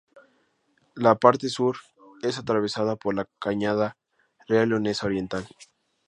La parte sur es atravesada por la Cañada Real Leonesa Oriental.